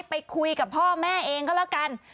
ไปคุยกับพ่อแม่เองก็แล้วกัน